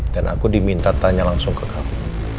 dan aku diminta tanya langsung ke kamu